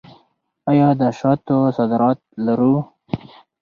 آیا د شاتو صادرات لرو؟